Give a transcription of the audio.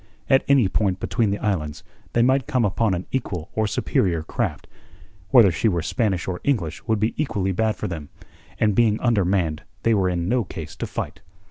At any point between the islands they might come upon an equal or superior craft; whether she were Spanish or English would be equally bad for them, and being undermanned they were in no case to fight.